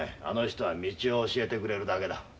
あの人は道を教えてくれるだけだ。